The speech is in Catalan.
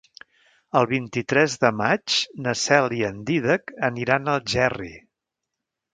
El vint-i-tres de maig na Cel i en Dídac aniran a Algerri.